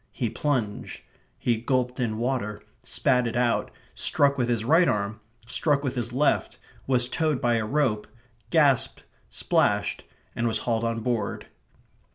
He plunged. He gulped in water, spat it out, struck with his right arm, struck with his left, was towed by a rope, gasped, splashed, and was hauled on board.